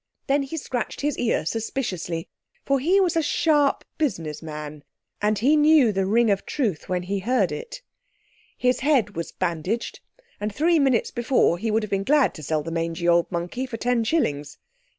Then he scratched his ear suspiciously, for he was a sharp business man, and he knew the ring of truth when he heard it. His hand was bandaged, and three minutes before he would have been glad to sell the "mangy old monkey" for ten shillings.